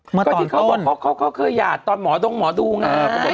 เมื่อตอนต้นเขาเคยอย่าตอนหมอด้งหมอดูไง